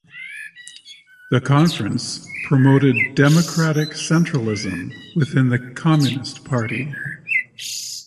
The conference promoted "democratic centralism" within the Communist Party.